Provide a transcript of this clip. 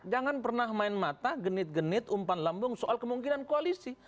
jangan pernah main mata genit genit umpan lambung soal kemungkinan koalisi